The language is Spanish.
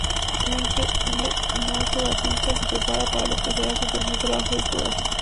Actualmente Norge Batista se prepara para lo que será su tercer trabajo discográfico.